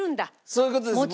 そういう事です。